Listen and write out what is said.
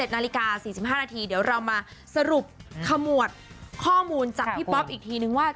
นาฬิกา๔๕นาทีเดี๋ยวเรามาสรุปขมวดข้อมูลจากพี่ป๊อปอีกทีนึงว่า